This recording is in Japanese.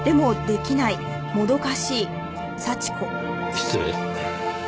失礼。